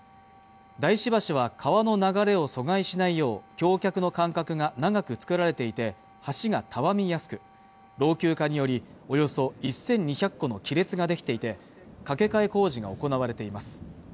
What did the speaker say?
大師橋は川の流れを阻害しないよう橋脚の間隔が長く造られていて橋がたわみやすく老朽化によりおよそ１２００個の亀裂ができていて架け替え工事が行われています